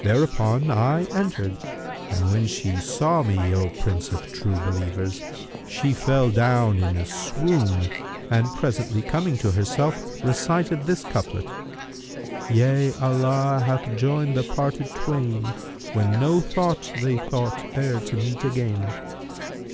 Thereupon I entered, and when she saw me, O Prince of True Believers, she fell down in a swoon, and presently coming to herself, recited this couplet, 'Yea, Allah hath joined the parted twain, * When no thought they thought e'er to meet again.'